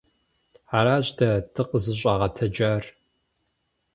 Аращ дэ дыкъызыщӀагъэтэджар.